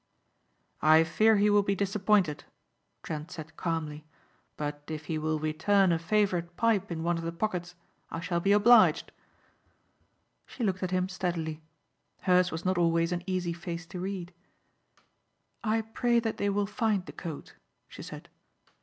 "I fear he will be disappointed," Trent said calmly, "but if he will return a favorite pipe in one of the pockets I shall be obliged." She looked at him steadily. Hers was not always an easy face to read. "I pray that they will find the coat," she said.